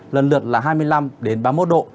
lần lượt là hai mươi năm đến ba mươi một độ